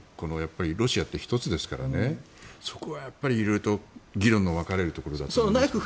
ロシアって１つですからそこは色々と議論が分かれるところだと思います。